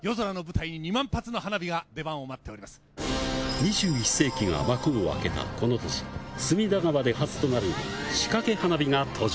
２１世紀が幕を開けたこの年、隅田川で仕掛け花火も登場。